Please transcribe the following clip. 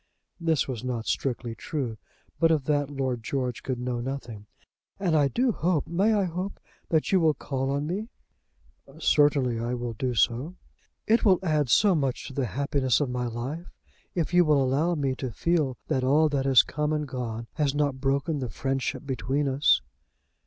This was not strictly true, but of that Lord George could know nothing. "And I do hope, may I hope, that you will call on me?" "Certainly I will do so." "It will add so much to the happiness of my life, if you will allow me to feel that all that has come and gone has not broken the friendship between us."